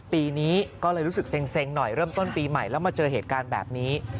ปีนี้ก็เลยรู้สึกเซ็งหน่อยเริ่มต้นปีใหม่แล้วมาเจอเหตุการณ์แบบนี้